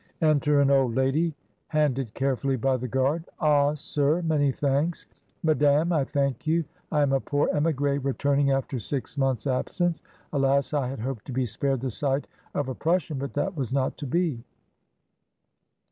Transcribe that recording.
Enter an old lady, handed carefully by the guard, "Ah! sir! tnany thanks! Madame! I thank you. 1 am a poor emigree returning after six months' ab Mrs. Dymond. 11. 1 4 2IO MRS. DYMOND. sence. Alas! I had hoped to be spared the sight of a Prussian, but that was not to be."